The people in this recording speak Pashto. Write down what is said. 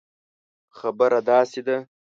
خبره داسي ده